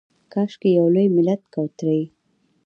کاشکي یو لوی ملت کوترې